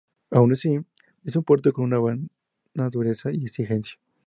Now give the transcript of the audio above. Aun así, es un puerto con una buena dureza y exigencia.